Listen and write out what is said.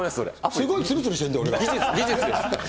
すごいつるつるしてんだよ、事実です。